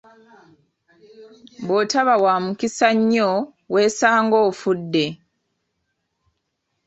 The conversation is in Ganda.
Bw'otaba wa mukisa nnyo weesanga ofudde!